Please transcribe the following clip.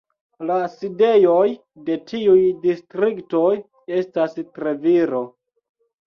La sidejoj de tiuj distriktoj estas Treviro.